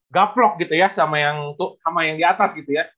gaplok gitu ya sama yang sama yang di atas gitu ya